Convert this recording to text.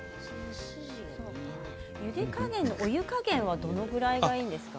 お湯加減はどれぐらいがいいですか？